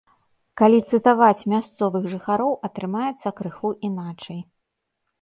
Калі цытаваць мясцовых жыхароў, атрымаецца крыху іначай.